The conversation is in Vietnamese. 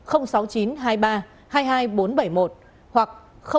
hoặc sáu nghìn chín trăm hai mươi ba hai mươi một nghìn sáu trăm sáu mươi bảy